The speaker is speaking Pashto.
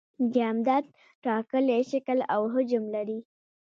جامدات ټاکلی شکل او حجم لري.